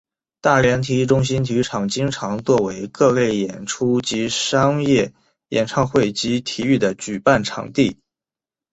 大连体育中心体育场经常作为各类演出及商业演唱会及体育的举办场地。